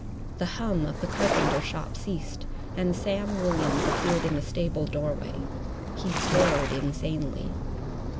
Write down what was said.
The hum of the carpenter shop ceased, and Sam Williams appeared in the stable doorway. He stared insanely.